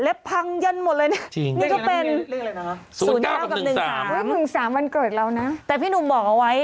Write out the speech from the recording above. โอ๊ยใช่